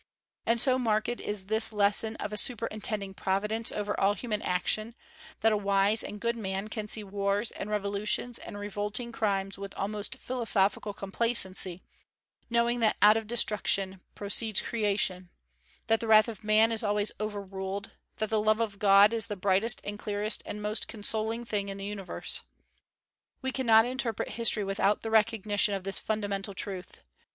And so marked is this lesson of a superintending Providence over all human action, that a wise and good man can see wars and revolutions and revolting crimes with almost philosophical complacency, knowing that out of destruction proceeds creation; that the wrath of man is always overruled; that the love of God is the brightest and clearest and most consoling thing in the universe. We cannot interpret history without the recognition of this fundamental truth.